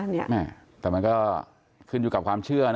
แต่มันก็ขึ้นอยู่กับความเชื่อนะ